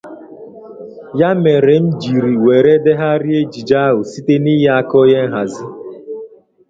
Ya mere m jiri were degharịa ejije ahụ site n'inye aka onye nhazi.